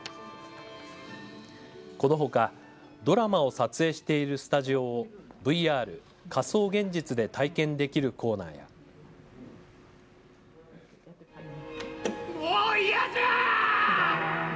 このほかドラマを撮影しているスタジオをＶＲ、仮想現実で体験できるコーナーやもう嫌じゃ。